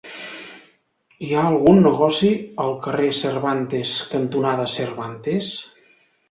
Hi ha algun negoci al carrer Cervantes cantonada Cervantes?